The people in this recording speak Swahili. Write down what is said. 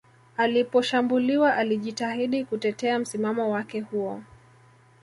Aliposhambuliwa alijitahidi kutetea msimamo wake huo